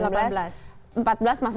udah lama banget ya